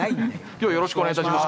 今日はよろしくお願いいたします。